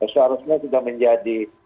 seharusnya sudah menjadi